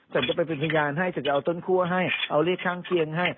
ฉันจะไปเป็นพยานให้ฉันจะเอาต้นคั่วให้เอาเลขข้างเคียงให้